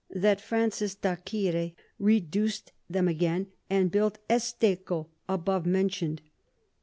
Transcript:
that Francis d'Acquire reduc'd 'em again, and built Esteco above mention'd.